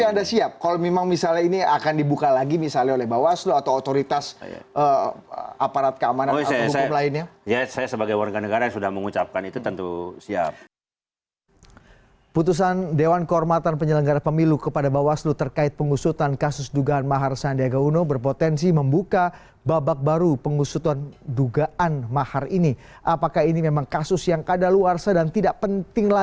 tapi anda siap kalau memang misalnya ini akan dibuka lagi misalnya oleh bawaslu atau otoritas aparat keamanan atau hukum lainnya